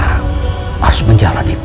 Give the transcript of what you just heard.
harus menjalani perubahan